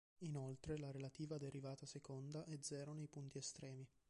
Inoltre, la relativa derivata seconda è zero nei punti estremi.